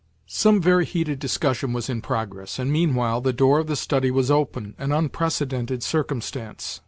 Some very heated discussion was in progress, and meanwhile the door of the study was open—an unprecedented circumstance.